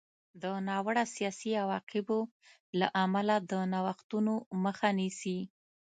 د ناوړه سیاسي عواقبو له امله د نوښتونو مخه نیسي.